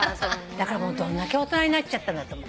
だからもうどんだけ大人になっちゃったんだと思って。